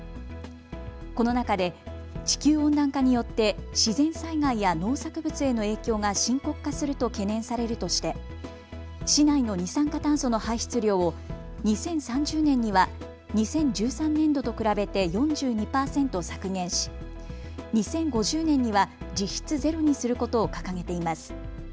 この中で地球温暖化によって自然災害や農作物への影響が深刻化すると懸念されるとして市内の二酸化炭素の排出量を２０３０年には２０１３年度と比べて４２％削減し、２０５０年には実質ゼロにすることを掲げています。